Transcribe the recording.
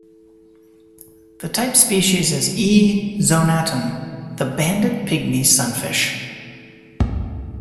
The type species is "E. zonatum," the banded pygmy sunfish.